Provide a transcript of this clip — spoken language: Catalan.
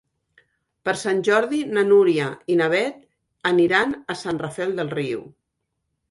Per Sant Jordi na Núria i na Beth aniran a Sant Rafel del Riu.